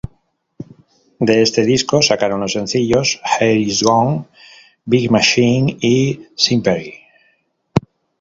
De este disco sacaron los sencillos: Here is gone, Big machine y Sympathy.